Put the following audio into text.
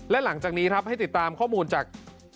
และหลังจากนี้ครับให้ติดตามข้อมูลจาก